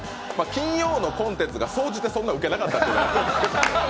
金曜のコンテンツが総じてそんなにウケなかったんです。